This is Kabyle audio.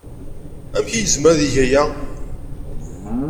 Amek ay yezmer ad yeg aya?